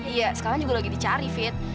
iya sekarang juga lagi dicari fit